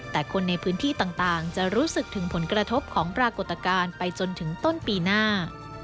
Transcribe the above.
แต่คนในพื้นที่ต่างจะรู้สึกถึงผลกระทบของปรากฏการณ์ไปจนถึงต้นปีหน้า